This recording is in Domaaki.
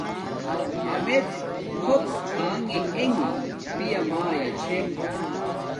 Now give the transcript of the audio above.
امڎ ہوت تھانݣ ایگ پیا مایا چھے